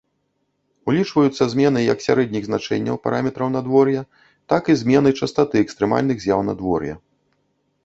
Улічваюцца змены як сярэдніх значэнняў параметраў надвор'я, так і змены частаты экстрэмальных з'яў надвор'я.